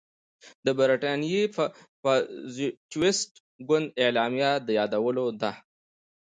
د برټانیې پازیټویسټ ګوند اعلامیه د یادولو ده.